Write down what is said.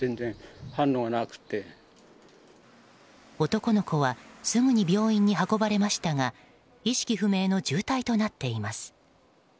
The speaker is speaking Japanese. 男の子はすぐに病院に運ばれましたが意識不明の重体となっています。